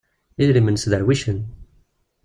Idrimen sderwicen.